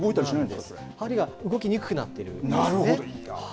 針が動きにくくなっているんですね。